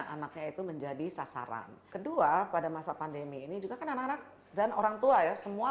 anaknya itu menjadi sasaran kedua pada masa pandemi ini juga kan anak anak dan orang tua ya semua